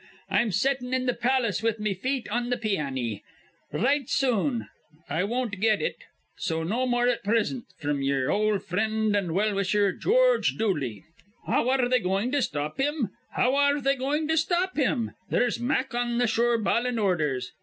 I'm settin' in the palace with me feet on th' pianny. Write soon. I won't get it. So no more at prisint, fr'm ye'er ol' frind an' well wisher, George Dooley.' "How ar re they goin' to stop him? How ar re they goin' to stop him? There's Mack on th' shore bawlin' ordhers.